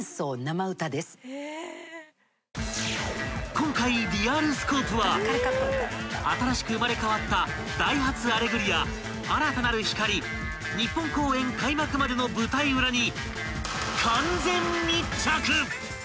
［今回リアルスコープは新しく生まれ変わった『ダイハツアレグリア−新たなる光−』日本公演開幕までの舞台裏に］